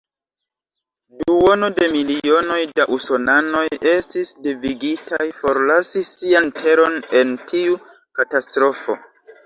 Duono de milionoj da usonanoj estis devigitaj forlasi sian teron en tiu katastrofo.